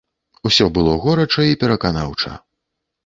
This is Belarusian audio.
Усё было горача і пераканаўча.